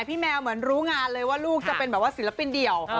พี่แมวเหมือนรู้งานเลยว่าลูกจะเป็นแบบว่าศิลปินเดี่ยว